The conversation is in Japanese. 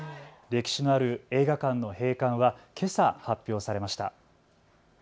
歴史のある映画館の閉館はけさ発表されました。